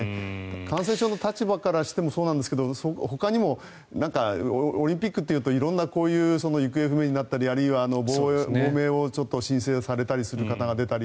感染症の立場からしてもそうなんですけどほかにもオリンピックというと色んなこういう行方不明になったりあるいは亡命を申請されたりする方が出たり